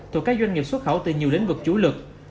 thuộc các doanh nghiệp xuất khẩu từ nhiều lĩnh vực chủ lực